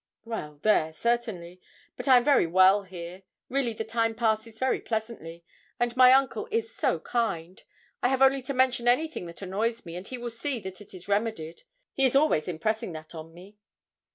'Well, there certainly. But I am very well here: really the time passes very pleasantly; and my uncle is so kind. I have only to mention anything that annoys me, and he will see that it is remedied: he is always impressing that on me.'